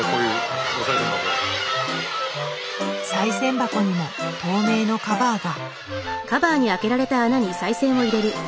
賽銭箱にも透明のカバーが。